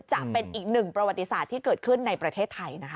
จะเป็นอีกหนึ่งประวัติศาสตร์ที่เกิดขึ้นในประเทศไทยนะคะ